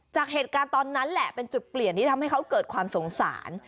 จากเหตุการณ์ตอนนั้นแหละเป็นจุดเปลี่ยนที่ทำให้เขาเกิดความสงสาร